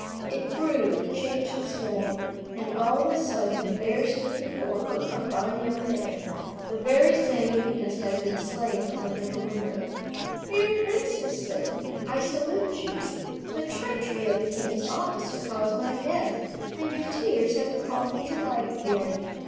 It grew, changed its form, and, all of a sudden, there stood before her a fine young man, the very same as had been slain under her window. "Fair princess," said he, "I salute you. The treachery of the king's officer caused my death, and your tears have recalled me to life again.